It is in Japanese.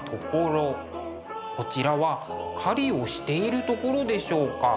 こちらは狩りをしているところでしょうか。